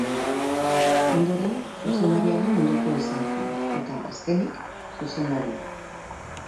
Ondoren, zuzendariaren ondokoa izan zen eta, azkenik, zuzendaria.